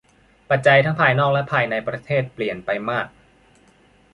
ปัจจัยทั้งภายนอกและภายในประเทศเปลี่ยนไปมาก